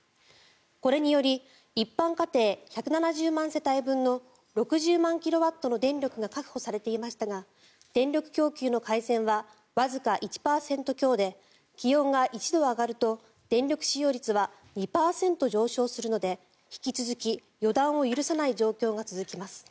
これにより一般家庭１７０万世帯分の６０万キロワットの電力が確保されていましたが電力供給の改善はわずか１％強で気温が１度上がると電力使用率は２％上昇するので引き続き予断を許さない状況が続きます。